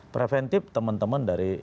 preventif teman teman dari